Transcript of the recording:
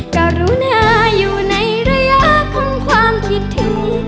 กรุณาอยู่ในระยะของความคิดถึง